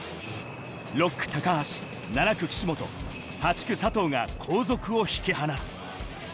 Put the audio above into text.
６区・高橋、７区・岸本、８区・佐藤が後続を引き離す。